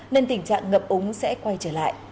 nên tình trạng ngập úng sẽ quay trở lại